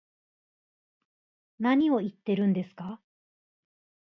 何を言ってるんですか